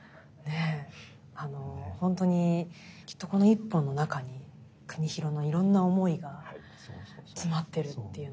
本当にきっとこの一本の中に国広のいろんな思いが詰まってるっていうのを。